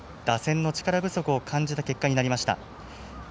打線の力不足を感じた結果になりました。